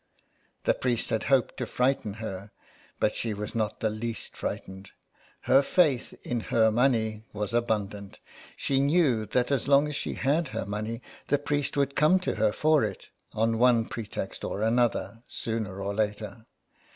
The priest had hoped to frighten her, but she was not the least frightened. Her faith in her money was abundant ; she knew that as long as she had her money the priest would come to her for it on one pretext or another, sooner or later.